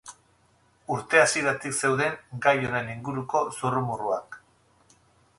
Urte hasieratik zeuden gai honen inguruko zurrumurruak.